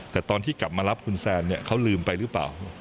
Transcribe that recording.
แต่ตอนที่กลับมารับคุณแซนเนี่ยเขาลืมไปหรือเปล่า